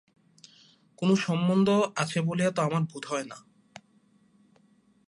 কোন সম্বন্ধ আছে বলিয়া তো আমার বোধ হয় না।